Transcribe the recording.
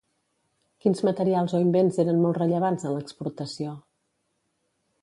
Quins materials o invents eren molt rellevants en l'exportació?